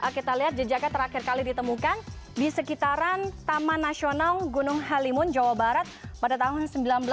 kita lihat jejaknya terakhir kali ditemukan di sekitaran taman nasional gunung halimun jawa barat pada tahun seribu sembilan ratus sembilan puluh